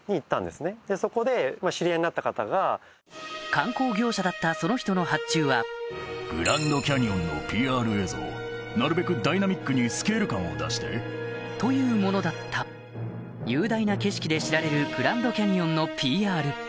観光業者だったその人の発注はというものだった雄大な景色で知られるグランドキャニオンのＰＲ